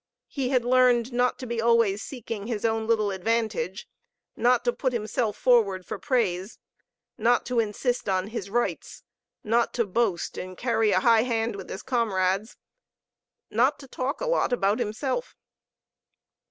He had learned not to be always seeking his own little advantage, not to put himself forward for praise, not to insist on his " rights," not to boast and carry a high hand with his comrades, not to talk a lot about himself.